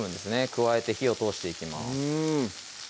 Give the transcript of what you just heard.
加えて火を通していきます